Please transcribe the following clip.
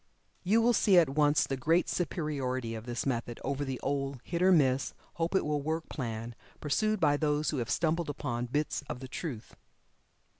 You will see at once the great superiority of this method over the old "hit or miss," "hope it will work" plan pursued by those who have stumbled upon bits of the truth.